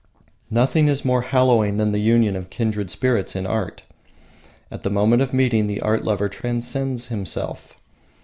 Nothing is more hallowing than the union of kindred spirits in art. At the moment of meeting, the art lover transcends himself.